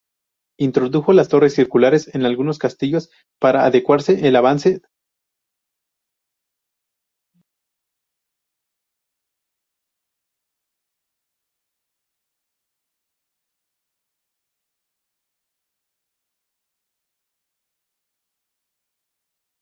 Se divide en dos fases: la fase regular y los play offs.